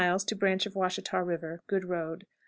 Branch of Washita River. Good road.